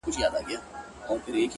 شكر چي ښكلا يې خوښــه ســوېده؛